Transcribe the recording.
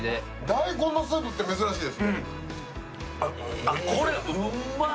大根のスープって珍しいですね。